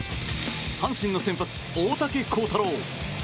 阪神の先発、大竹耕太郎。